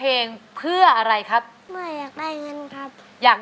เพลงนี้ที่๕หมื่นบาทแล้วน้องแคน